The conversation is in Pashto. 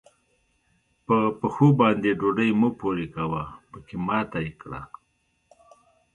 په پښو باندې ډوډۍ مه پورې کوه؛ پکې ماته يې کړه.